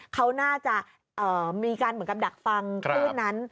เขาน่าจะมีการเหมือนกับดักฟังคลื่นนั้น